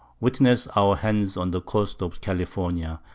Witness our Hands on the Coast of_ California.